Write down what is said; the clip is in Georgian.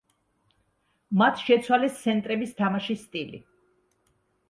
მათ შეცვალეს ცენტრების თამაშის სტილი.